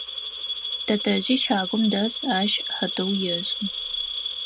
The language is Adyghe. Тэтэжъи щагум дэс, ащ хъытыу ешӏы.